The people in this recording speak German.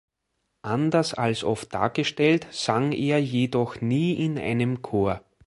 Anders als oft dargestellt sang er jedoch nie in einem Chor.